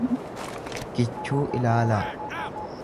kichuu ilaalaa.